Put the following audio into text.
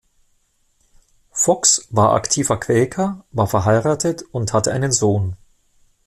Fox war aktiver Quäker, war verheiratet und hatte einen Sohn.